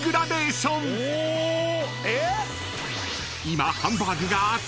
［今ハンバーグがアツい！］